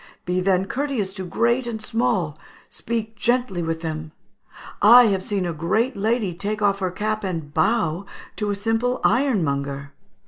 Be then courteous to great and small; speak gently with them.... I have seen a great lady take off her cap and bow to a simple ironmonger.